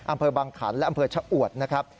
อำเภอบังขันและอำเภอชะอวดนะครับ